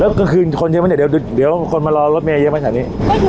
แล้วกันคืนคนเยอะป่ะเดี๋ยวเดี๋ยวคนมารอรถเมธ์เยอะป่ะสถานี